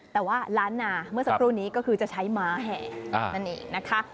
แต่ว่าล้านนาเมื่อสักครู่นี้ก็คือจะใช้ม้าแห่นั่นเองนะคะ